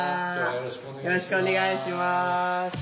よろしくお願いします。